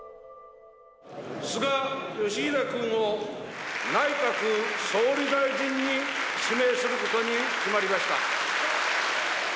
菅義偉くんを内閣総理大臣に指名することに決まりました。